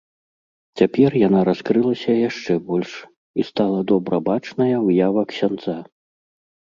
Цяпер яна раскрылася яшчэ больш і стала добра бачная выява ксяндза.